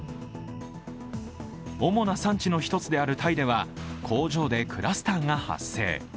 主な産地の一つであるタイでは工場でクラスターが発生。